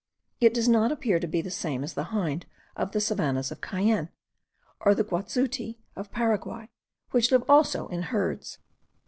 It does not appear to be the same as the hind of the savannahs of Cayenne, or the guazuti of Paraguay, which live also in herds.